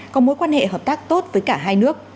có mối quan hệ hợp tác tốt với cả hai nước